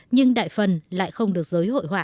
nhưng đại phần lại không được giới hội họa